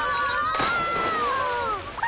あ！